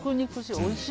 おいしい。